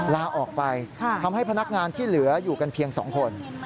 ลาออกไปทำให้พนักงานที่เหลืออยู่กันเพียง๒คน